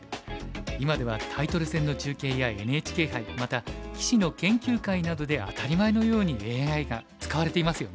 今ではタイトル戦の中継やＮＨＫ杯また棋士の研究会などで当たり前のようにＡＩが使われていますよね。